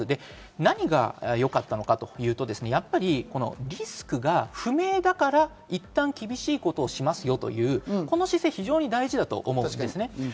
何がよかったのかというと、リスクが不明だからいったん厳しいことをしますよという、この姿勢は大事だと思うんですね。